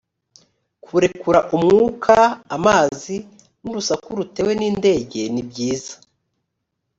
kurekura umwuka amazi n urusaku rutewe nindege nibyiza